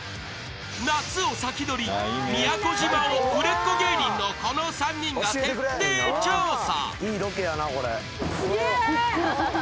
［夏を先取り宮古島を売れっ子芸人のこの３人が徹底調査］